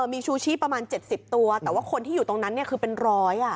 มีชูชีประมาณ๗๐ตัวแต่ว่าคนที่อยู่ตรงนั้นคือเป็นร้อย